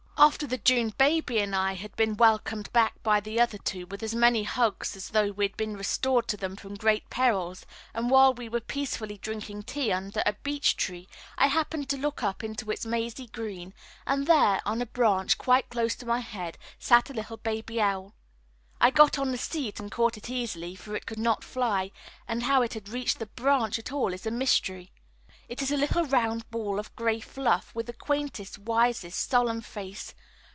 After the June baby and I had been welcomed back by the other two with as many hugs as though we had been restored to them from great perils, and while we were peacefully drinking tea under a beech tree, I happened to look up into its mazy green, and there, on a branch quite close to my head, sat a little baby owl. I got on the seat and caught it easily, for it could not fly, and how it had reached the branch at all is a mystery. It is a little round ball of gray fluff, with the quaintest, wisest, solemn face.